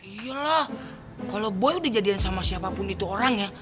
iya lah kalau boy udah jadian sama siapapun itu orangnya